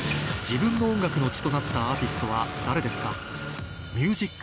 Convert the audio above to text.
自分の音楽の血となったアーティストは誰ですか？